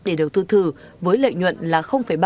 để đầu tư thử với lợi nhuận là ba